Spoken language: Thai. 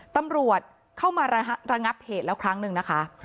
ตำรวจเข้ามาระงับเหตุแล้วครั้งหนึ่งนะคะ